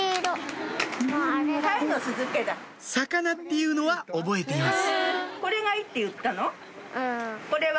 魚っていうのは覚えています